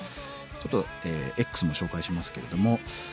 ちょっとＸも紹介しますけれども。